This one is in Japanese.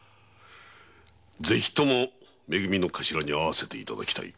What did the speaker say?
ぜひとも「め組」のカシラに会わせていただきたい。